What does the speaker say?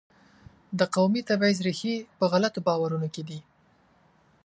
د قومي تبعیض ریښې په غلطو باورونو کې دي.